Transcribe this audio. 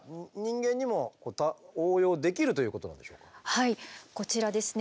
はいこちらですね